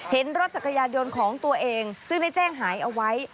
เห็นรถจักรยานยนต์ของตัวเองซึ่งได้แจ้งหายเอาไว้